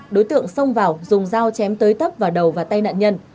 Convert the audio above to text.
đối tượng xông vào dùng dao chém tới tấp vào đầu và tay nạn nhân